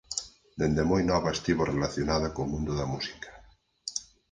Dende moi nova estivo relacionada co mundo da música.